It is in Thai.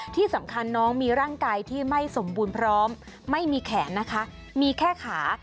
ที่สำคัญน้องมีร่างกายที่ไม่สมบูรณ์พร้อมไม่มีแขนนะคะมีแค่ขา